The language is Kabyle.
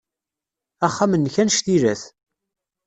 Axxam-nnek anect ila-t.